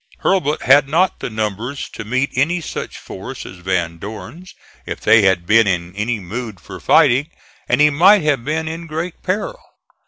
Hurlbut had not the numbers to meet any such force as Van Dorn's if they had been in any mood for fighting, and he might have been in great peril.